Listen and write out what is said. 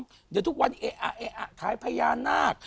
เดี๋ยวทุกวันนี้ขายพญานาค